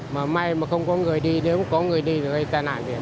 mà may mà không có người đi nếu có người đi thì gây tai nạn gì